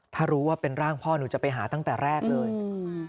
ถ้ารู้ว่าเป็นร่างพ่อหนูจะไปหาตั้งแต่แรกเลยอืม